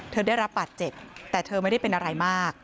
เธอได้รับบาดเจ็บแต่เธอไม่ได้เป็นอะไรมาก